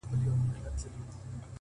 انقلابي په زلفو کي لام ـ لام نه کړم!!